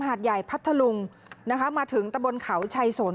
หาดใหญ่พัทธลุงนะคะมาถึงตะบนเขาชัยสน